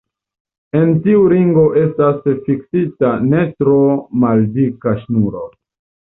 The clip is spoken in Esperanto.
En tiu ringo estas fiksita ne tro maldika ŝnuro.